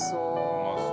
うまそう。